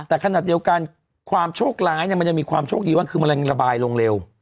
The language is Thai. แต่ขณะเดียวกันความโชคหลายมันจะมีความโชคดีว่าคือมันจะระบายลงเร็ว